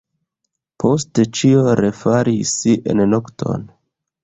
Poste ĉio refalis en nokton.